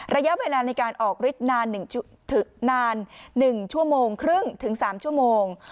ระยะเวลาในการออกฤทธิ์นาน๑ชั่วโมงครึ่งถึง๓ชั่วโมง